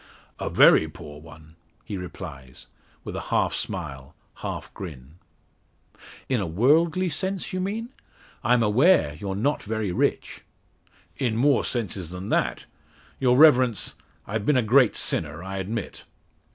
"A very poor one," he replies, with a half smile, half grin. "In a worldly sense, you mean? I'm aware, you're not very rich." "In more senses than that. Your Reverence, I've been a great sinner, I admit."